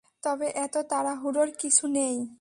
তবে, এত তাড়াহুড়োর কিছু নেই।